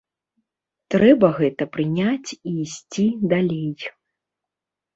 Трэба гэта прыняць і ісці далей.